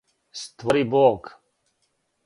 створи Бог